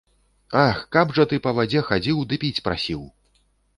Ах каб жа ты па вадзе хадзіў ды піць прасіў.